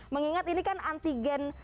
mengingat ini kan antigen